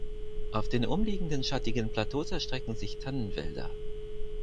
Auf den umliegenden schattigen Plateaus erstrecken sich Tannenwälder.